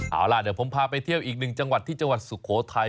เอาล่ะเดี๋ยวผมพาไปเที่ยวอีกหนึ่งจังหวัดที่จังหวัดสุโขทัย